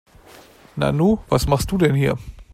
Nanu, was machst du denn hier?